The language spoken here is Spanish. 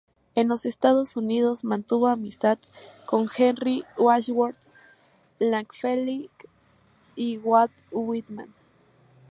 En los Estados Unidos mantuvo amistad con Henry Wadsworth Longfellow y Walt Whitman.